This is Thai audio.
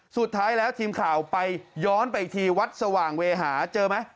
สุดท้ายแล้วทีมข่าวไปย้อนไปอีกทีวัดสว่างเวหาเจอไหม